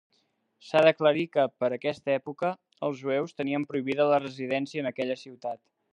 S'ha d'aclarir que, per aquesta època, els jueus tenien prohibida la residència en aquella ciutat.